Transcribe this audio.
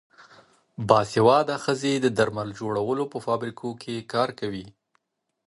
باسواده ښځې د درمل جوړولو په فابریکو کې کار کوي.